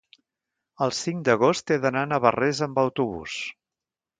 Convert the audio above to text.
El cinc d'agost he d'anar a Navarrés amb autobús.